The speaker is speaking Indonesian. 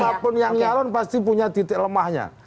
siapapun yang nyalon pasti punya titik lemahnya